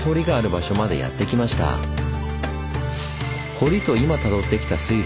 堀と今たどってきた水路